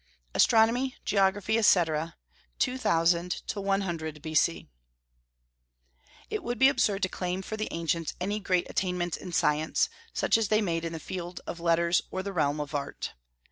ASTRONOMY, GEOGRAPHY, ETC. 2000 100 B.C. It would be absurd to claim for the ancients any great attainments in science, such as they made in the field of letters or the realm of art.